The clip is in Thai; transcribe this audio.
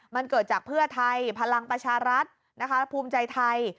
มันเกิดจากเพื่อไทยพลังประชารัฐนะคะภูมิใจไทย